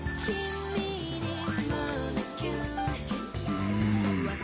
うん。